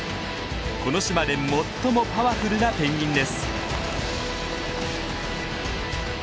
この島で最もパワフルなペンギンです。